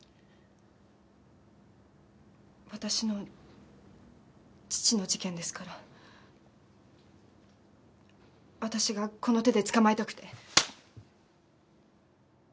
私の父の事件ですから私がこの手で捕まえたくて。